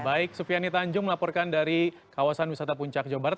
baik sufiani tanjung melaporkan dari kawasan wisata puncak jawa barat